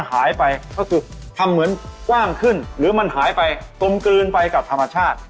หายไปก็คือทำเหมือนกว้างขึ้นหรือมันหายไปกลมกลืนไปกับธรรมชาติ